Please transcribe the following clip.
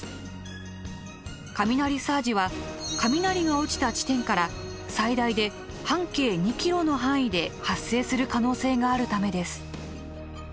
雷サージは雷が落ちた地点から最大で半径２ｋｍの範囲で発生する可能性があるためです。